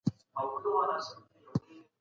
بزکشي زموږ له پخوانیو ملي لوبو څخه ده.